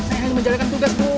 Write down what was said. saya hanya menjalankan tugas bu